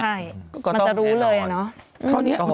ใช่มันจะรู้เลยแน่นอน